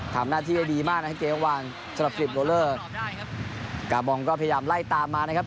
ทำหน้าที่ได้ดีมากนะครับเกมวางสำหรับฟิลิปโลเลอร์กาบองก็พยายามไล่ตามมานะครับ